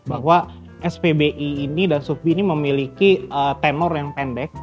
bahwa spbi ini dan subbi ini memiliki tenor yang pendek